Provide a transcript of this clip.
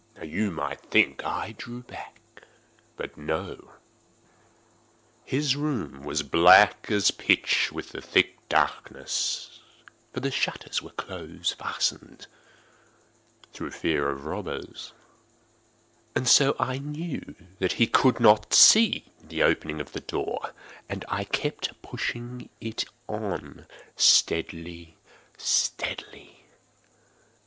Now you may think that I drew back—but no. His room was as black as pitch with the thick darkness, (for the shutters were close fastened, through fear of robbers,) and so I knew that he could not see the opening of the door, and I kept pushing it on steadily, steadily.